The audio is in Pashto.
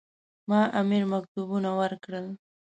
ما امیر مکتوبونه ورکړل.